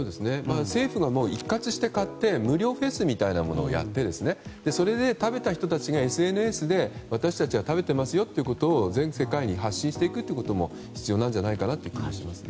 政府が一括して買って無料フェスみたいなものをやってそれで食べた人たちがＳＮＳで、私たちは食べていますよということを全世界に発信していくことも必要じゃないかという気がします。